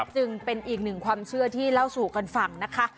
จึงเป็นอีกหนึ่งความเชื่อที่เล่าสู่กันฟังนะคะ